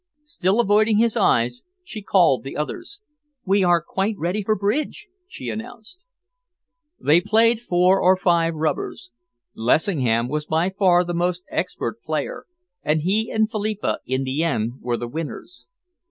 Still avoiding his eyes, she called the others. "We are quite ready for bridge," she announced. They played four or five rubbers. Lessingham was by far the most expert player, and he and Philippa in the end were the winners.